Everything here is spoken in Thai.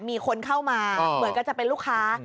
มีคนเข้ามาเหมือนกันจะเป็นลูกค้า